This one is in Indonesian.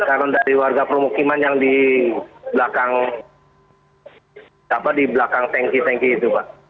karena dari warga permukiman yang di belakang apa di belakang tanki tanki itu mbak